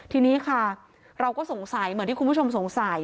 ทีนี้ค่ะเราก็สงสัยเหมือนที่คุณผู้ชมสงสัย